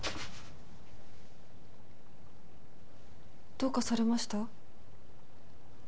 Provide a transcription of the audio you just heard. どうかされました？